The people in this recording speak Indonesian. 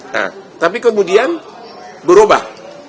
nah tapi kemudian berubah